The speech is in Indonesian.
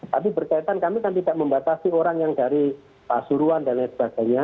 tapi berkaitan kami kan tidak membatasi orang yang dari pasuruan dan lain sebagainya